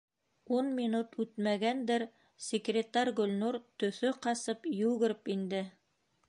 Ун минут үтмәгәндер, секретарь Гөлнур төҫө ҡасып, йүгереп инде.